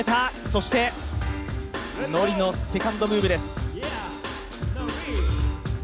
そして、Ｎｏｒｉのセカンドムーブです。